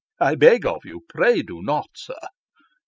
I beg of you ; pray do not, sir."